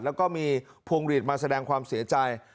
แล้วก็มีพวงหลีดมาแสดงความเสียใจ